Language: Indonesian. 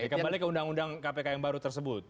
kembali ke undang undang kpk yang baru tersebut